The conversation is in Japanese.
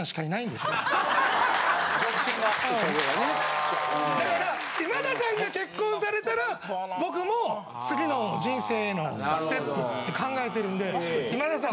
・独身が・だから今田さんが結婚されたら僕も次の人生のステップって考えてるんで今田さん。